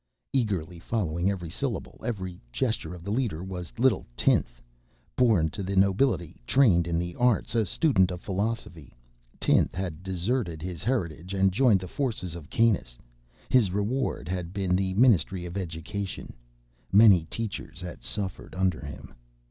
Eagerly following every syllable, every gesture of the leader was little Tinth. Born to the nobility, trained in the arts, a student of philosophy, Tinth had deserted his heritage and joined the forces of Kanus. His reward had been the Ministry of Education; many teachers had suffered under him.